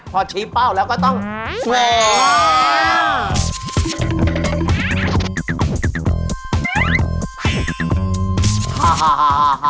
พอชี้เป้าแล้วก็ต้องแหวก